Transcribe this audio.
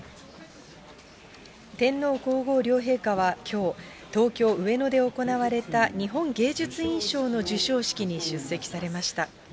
天皇皇后両陛下はきょう、東京・上野で行われた日本芸術院賞の授賞式に出席されました。